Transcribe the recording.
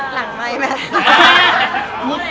หลังไม้แม่